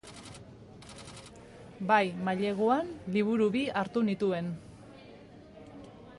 Bai, maileguan, liburu bi hartu nituen.